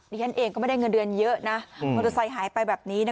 ฉันเองก็ไม่ได้เงินเดือนเยอะนะมอเตอร์ไซค์หายไปแบบนี้นะ